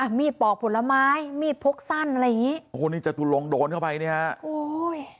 มีดปอกผลไม้มีดพกสั้นอะไรอย่างงี้โอ้โหนี่จตุลงโดนเข้าไปเนี่ยฮะโอ้ย